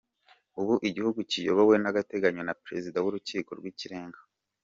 Ubu igihugu kiyobowe by’agateganyo na Pezida w’Urukiko rw’Ikirenga.